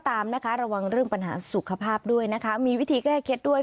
ตามนะคะระวังเรื่องปัญหาสุขภาพด้วยนะคะมีวิธีแก้เคล็ดด้วย